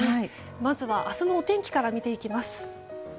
まずは、明日のお天気から見ていきます。